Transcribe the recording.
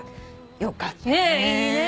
よかったねぇ。